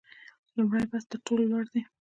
لومړی بست تر ټولو لوړ دی